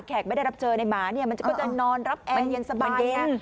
ไม่ได้รับเจอในหมาเนี่ยมันก็จะนอนรับแอร์เย็นสบาย